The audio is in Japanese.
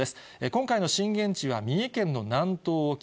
今回の震源地は三重県の南東沖。